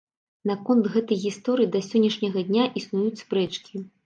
Наконт гэтай гісторыі да сённяшняга для існуюць спрэчкі.